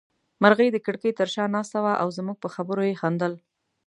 مرغۍ د کړکۍ تر شا ناسته وه او زموږ په خبرو يې خندل.